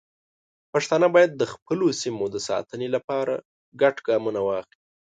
پښتانه باید د خپلو سیمو د ساتنې لپاره ګډ ګامونه واخلي.